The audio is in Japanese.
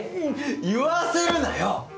言わせるなよ